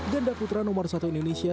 ganda putra nomor satu indonesia